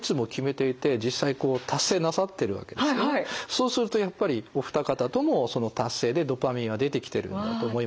そうするとやっぱりお二方とも達成でドパミンは出てきてるんだと思いますから。